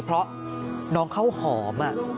เพราะน้องข้าวหอม